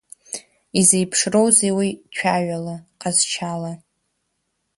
Изеиԥшроузеи уи цәаҩала, ҟазшьала?